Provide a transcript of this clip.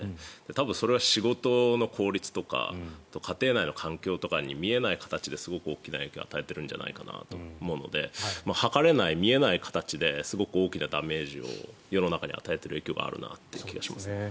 多分、それは仕事の効率とか家庭内の環境とかに見えない形ですごく大きな影響を与えているんじゃないかと思うので測れない、見えない形ですごく大きなダメージを世の中に与えている影響があるなという気がします。